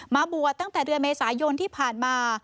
มาบวชตั้งแต่เดือนเมษายนที่ผ่านมา